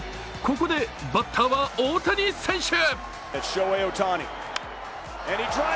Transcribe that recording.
ここでバッターは大谷選手！